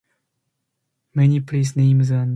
Many place names and personal names are derived from it.